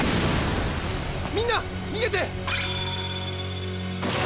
みんなにげて！